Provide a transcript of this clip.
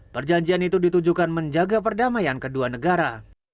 perjanjian itu ditujukan menjaga perdamaian kedua negara